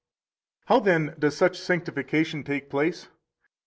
88 How, then, does such sanctification take place?